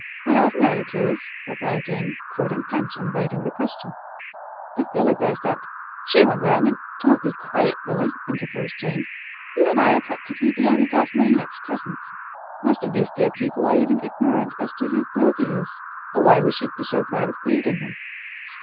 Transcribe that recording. "My ordinary clothes," replied Jane; quoting Punch, and evading the question. But Billy burst out: "She went round in " "Oh, be quiet, Billy," interposed Jane. "You and I are practically the only golf maniacs present. Most of these dear people are even ignorant as to who 'bogie' is, or why we should be so proud of beating him.